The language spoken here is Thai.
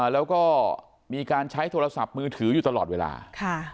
แล้วก็มีการใช้โทรศัพท์มือถืออยู่ตลอดเวลาค่ะ